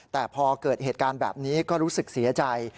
แต่พอเกิดเหตุการณ์แบบนี้ก็รู้สึกเสียใจ